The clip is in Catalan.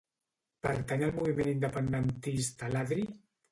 Pertany al moviment independentista l'Adri?